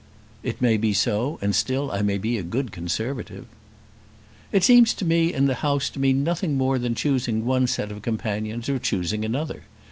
"It may be so, and still I may be a good Conservative." "It seems to me in the House to mean nothing more than choosing one set of companions or choosing another.